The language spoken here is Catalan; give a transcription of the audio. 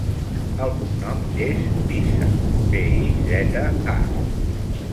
El cognom és Piza: pe, i, zeta, a.